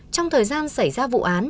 trong thời gian xảy ra vụ án